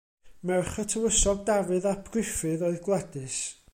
Merch y Tywysog Dafydd ap Gruffudd oedd Gwladys.